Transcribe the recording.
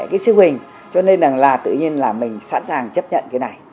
cái siêu hình cho nên là tự nhiên là mình sẵn sàng chấp nhận cái này